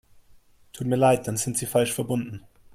Tut mir leid, dann sind Sie falsch verbunden.